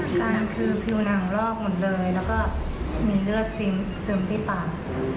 การคือฟิวหนังรอบหมดเลยแล้วก็มีเลือดซึมซึมที่ปาก